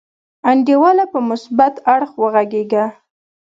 انډیواله په مثبت اړخ وغګیږه.